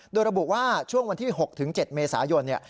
โดยระบุว่าช่วงวันที่๖๗เมษายน